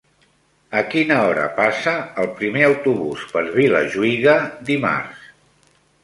A quina hora passa el primer autobús per Vilajuïga dimarts?